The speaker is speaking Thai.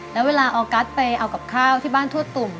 แล้วเวลาออกัสไปเอากับข้าวที่บ้านทวดตุ่ม